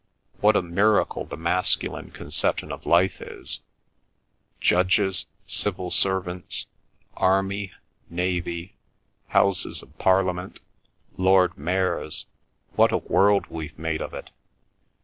What a miracle the masculine conception of life is—judges, civil servants, army, navy, Houses of Parliament, lord mayors—what a world we've made of it!